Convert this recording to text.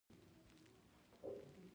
دوی په شعوري توګه مسلمان زایرین په تنګوي.